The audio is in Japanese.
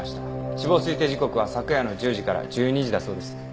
死亡推定時刻は昨夜の１０時から１２時だそうです。